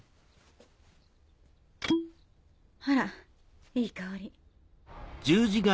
あらいい香り。